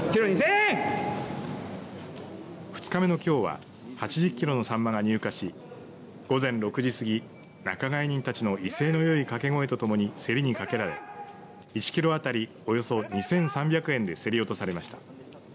２日目のきょうは８０キロのサンマが入荷し午前６時過ぎ仲買人たちの威勢のよい掛け声とともに競りにかけられ１キロ当たりおよそ２３００円で競り落とされました。